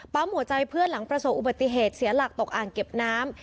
หัวใจเพื่อนหลังประสบอุบัติเหตุเสียหลักตกอ่างเก็บน้ำ